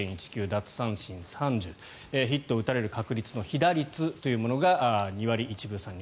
奪三振３０ヒットを打たれる確率の被打率というものが２割１分３厘。